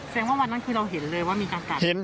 ว่าวันนั้นคือเราเห็นเลยว่ามีการกัด